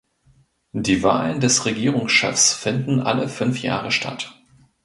Die Wahlen des Regierungschefs finden alle fünf Jahre statt.